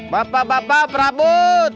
bapak bapak prabut